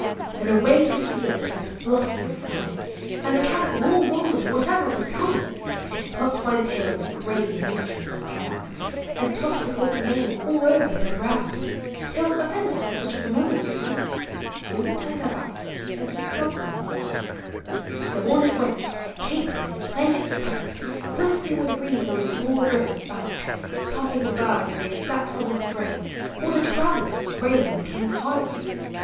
Then away to the field it went blustering and humming, And the cattle all wondered whatever was coming; It plucked by the tails the grave matronly cows, And tossed the colts' manes all over their brows, Till, offended at such a familiar salute. They all turned their backs and stood sulkily mute. 144 POKMN OF HOME. So on it wont, capering, an<l playing its pranks. Whistling with rebels on tin* broad river's hanks, Pulling the birds as they sat on the spray, Or the traveller grave on the king's highway.